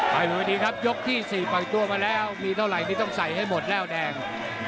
บนวิธีครับยกที่๔ปล่อยตัวมาแล้วมีเท่าไหร่นี่ต้องใส่ให้หมดแล้วแดง